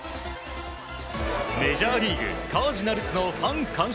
メジャーリーグカージナルスのファン感謝